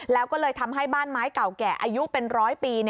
แล้วก็เลยทำให้บ้านไม้เก่าแก่อายุเป็นร้อยปี